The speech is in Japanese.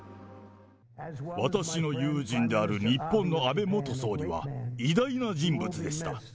私の友人である日本の安倍元総理は、偉大な人物でした。